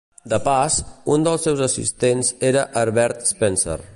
De pas, un dels seus assistents era Herbert Spencer.